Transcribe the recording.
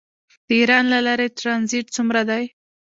د ایران له لارې ټرانزیټ څومره دی؟